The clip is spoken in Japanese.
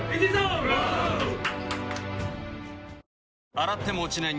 洗っても落ちない